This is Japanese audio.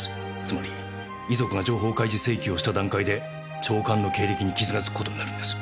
つまり遺族が情報開示請求をした段階で長官の経歴に傷がつく事になるんです。